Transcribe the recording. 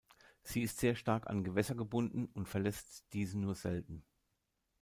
Sie ist sehr stark an Gewässer gebunden und verlässt diese nur selten.